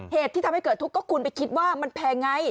เหตุที่ทำให้เกิดทุกข์ก็คุณไปคิดว่ามันแพงไง